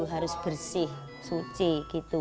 harus bersih suci gitu